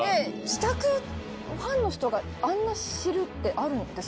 自宅をファンの人があんな知るってあるんですね。